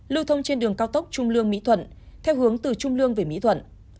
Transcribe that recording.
lưu thông trên đường cao tốc trung lương mỹ thuận theo hướng từ trung lương về mỹ thuận